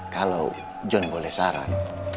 kalau john boleh saran